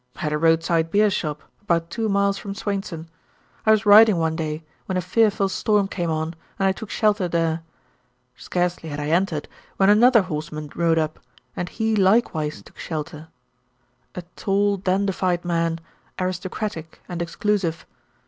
"At a roadside beer shop, about two miles from Swainson. I was riding one day, when a fearful storm came on, and I took shelter there. Scarcely had I entered, when another horsemen rode up, and he likewise took shelter a tall, dandified man, aristocratic and exclusive.